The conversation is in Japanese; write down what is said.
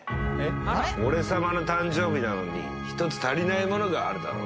俺様の誕生日なのに、１つ足りないものがあるだろ。